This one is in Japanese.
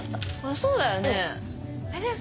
そうだよねでさ